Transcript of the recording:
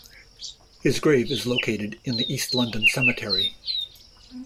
His grave is located in the East London Cemetery.